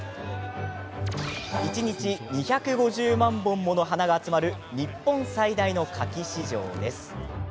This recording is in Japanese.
一日２５０万本もの花が集まる日本最大の花き市場です。